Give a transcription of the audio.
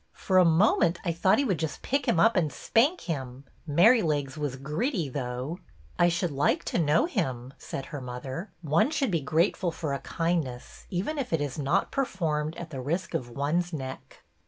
For a mo ment I thought he would just pick him up and spank him. Merrylegs was gritty, though." '' I should like to know him," said her mother. One should be grateful for a kindness, even if it is not performed at the risk of one's neck."